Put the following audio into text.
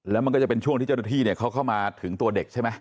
แล้วมันก็จะเป็นช่วงที่เจ้าหน้าที่เขาเข้ามาถึงตัวเด็กใช่ไหม